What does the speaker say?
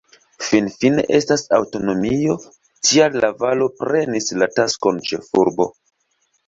Finfine estas aŭtonomio, tial La-Valo prenis la taskon ĉefurbo.